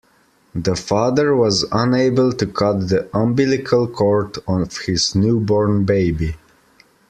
The father was unable to cut the umbilical cord of his newborn baby.